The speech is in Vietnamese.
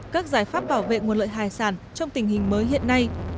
các giải pháp bảo vệ nguồn lợi hải sản trong tình hình mới hiện nay